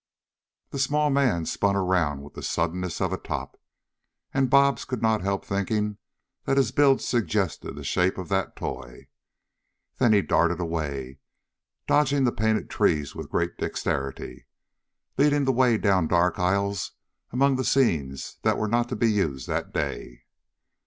The small man spun around with the suddenness of a top, and Bobs could not help thinking that his build suggested the shape of that toy. Then he darted away, dodging the painted trees with great dexterity, leading the way down dark aisles among the scenes that were not to be used that day.